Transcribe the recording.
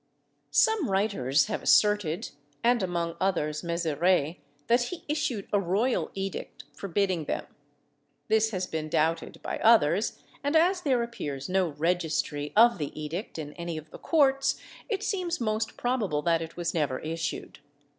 Some writers have asserted, and among others, Mezerai, that he issued a royal edict forbidding them. This has been doubted by others, and as there appears no registry of the edict in any of the courts, it seems most probable that it was never issued.